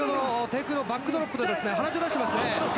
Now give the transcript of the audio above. テイクのバックドロップで鼻血を出していますね。